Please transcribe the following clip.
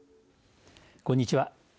こんにちは。